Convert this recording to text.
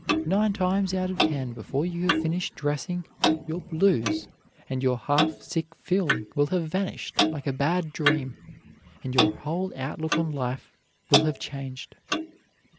Nine times out of ten, before you have finished dressing your "blues" and your half sick feeling will have vanished like a bad dream, and your whole outlook on life will have changed.